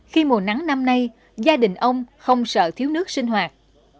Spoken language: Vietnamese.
khi mùa nắng năm nay gia đình ông không sợ thiếu nước sinh hoạt